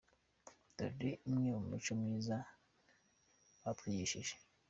Dore imwe mu mico myiza batwigishije :